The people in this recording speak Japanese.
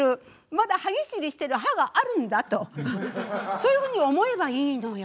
まだ歯ぎしりしてる歯があるんだとそういうふうに思えばいいのよ。